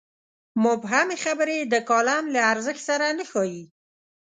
مبهمې خبرې د کالم له ارزښت سره نه ښايي.